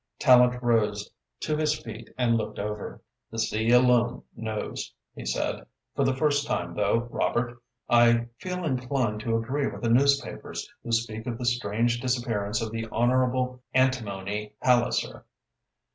Tallente rose to his feet and looked over. "The sea alone knows," he said. "For the first time, though, Robert, I feel inclined to agree with the newspapers, who speak of the strange disappearance of the Honourable Antimony Palliser.